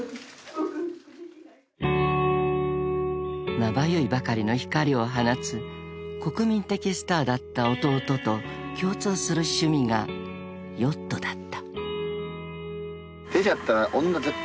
［まばゆいばかりの光を放つ国民的スターだった弟と共通する趣味がヨットだった］